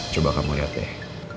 coba kamu lihat deh